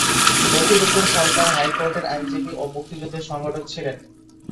রফিক উদ্দিন সরকার হাইকোর্টের আইনজীবী ও মুক্তিযুদ্ধের সংগঠক ছিলেন।